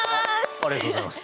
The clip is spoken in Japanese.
ありがとうございます。